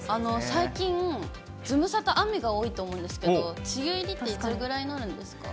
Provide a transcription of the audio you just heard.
最近、ズムサタ、雨が多いと思うんですけど、梅雨入りっていつぐらいになるんですか？